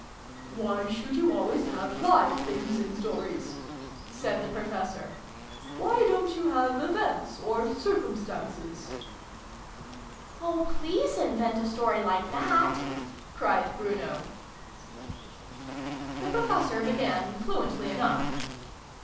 " Why should you always have live things in stories ?" said the Professor. "Why don't you have events, or circumstances ?" "Q\\ t please invent a story like that! "cried Bruno. 376 SYLVIE AND BRUNO CONCLUDED. The Professor began fluently enough.